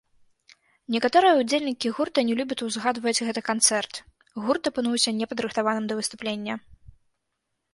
Некаторыя ўдзельнікі гурта не любяць узгадваць гэты канцэрт, гурт апынуўся не падрыхтаваным да выступлення.